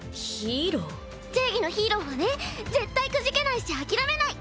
正義のヒーロー絶対くじけないし諦めない。